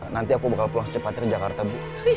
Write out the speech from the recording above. nanti aku bakal pulang secepatnya ke jakarta bu